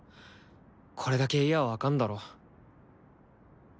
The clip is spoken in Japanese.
これだけ言や分かんだろ？